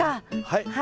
はい。